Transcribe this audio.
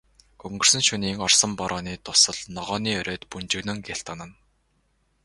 Өнгөрсөн шөнийн орсон борооны дусал ногооны оройд бөнжгөнөн гялтганана.